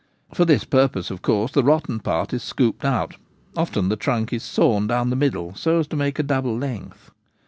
For this purpose, of course, the rotten part is scooped out : often the trunk is sawn down the middle, so as to make a double length.